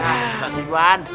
ah ustadz ibu wan